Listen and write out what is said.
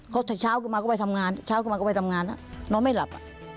เขาเช้ามาก็ไปทำงานเช้ามาก็ไปทำงานน้องไม่หลับ